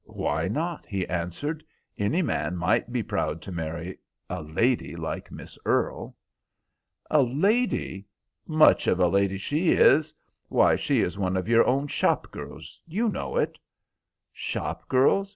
"Why not?" he answered. "Any man might be proud to marry a lady like Miss Earle." "A lady! Much of a lady she is! Why, she is one of your own shop girls. You know it." "Shop girls?"